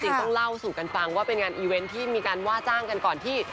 ต้องเล่าสู่กันฟังว่าเป็นงานอีเวนต์ที่มีการว่าจ้างกันก่อนที่